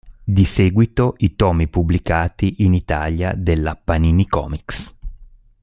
Di seguito, i tomi pubblicati in italia dalla Panini Comics.